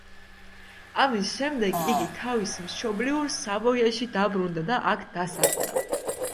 ამის შემდეგ იგი თავის მშობლიურ სავოიაში დაბრუნდა და აქ დასახლდა.